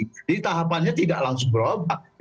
jadi tahapannya tidak langsung berubah